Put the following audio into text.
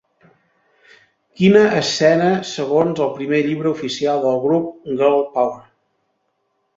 Quina escena, segons el primer llibre oficial del grup Girl Power!